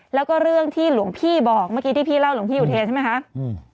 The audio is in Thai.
แล้วก็เรื่องที่หลวงพี่บอกเมื่อกี้ที่พี่เล่าหลวงพี่อุเทรใช่ไหมคะอืม